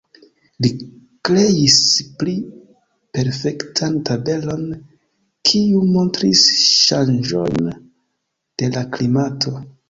Li kreis pli perfektan tabelon, kiu montris ŝanĝojn de la klimato.